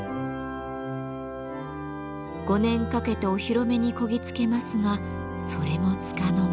５年かけてお披露目にこぎ着けますがそれもつかの間。